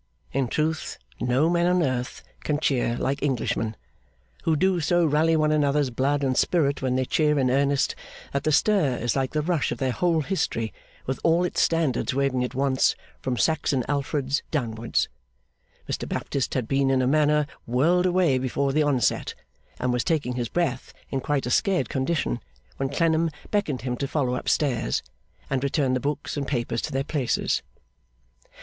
In truth, no men on earth can cheer like Englishmen, who do so rally one another's blood and spirit when they cheer in earnest, that the stir is like the rush of their whole history, with all its standards waving at once, from Saxon Alfred's downwards. Mr Baptist had been in a manner whirled away before the onset, and was taking his breath in quite a scared condition when Clennam beckoned him to follow up stairs, and return the books and papers to their places.